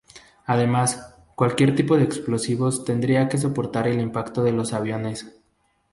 Además, cualquier tipo de explosivos tendría que soportar el impacto de los aviones.